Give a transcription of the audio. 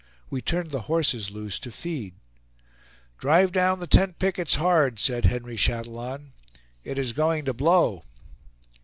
We turned the horses loose to feed. "Drive down the tent pickets hard," said Henry Chatillon, "it is going to blow."